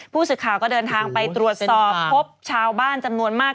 ผู้สื่อข่าวก็เดินทางไปตรวจสอบพบชาวบ้านจำนวนมาก